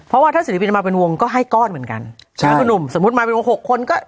เพราะว่าถ้าศิลปินมาเป็นวงก็ให้ก้อนเหมือนกันใช่คุณหนุ่มสมมุติมาเป็นวงหกคนก็